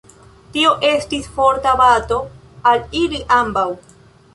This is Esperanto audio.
Tio estis forta bato al ili ambaŭ.